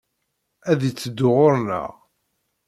Ad d-itteddu ɣur-nneɣ!